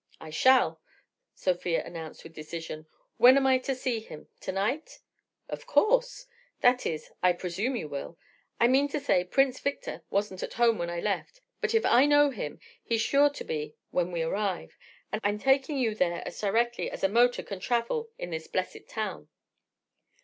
"I shall," Sofia announced with decision. "When am I to see him? To night?" "Of course. That is, I presume you will. I mean to say, Prince Victor wasn't at home when I left, but if I know him he's sure to be when we arrive. And I'm taking you there as directly as a motor can travel in this blessed town."